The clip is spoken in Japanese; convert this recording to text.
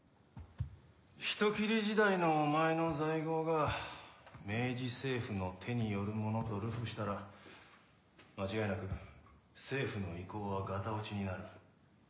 人斬り時代のお前の罪業が明治政府の手によるものと流布したら間違いなく政府の威光はがた落ちになる。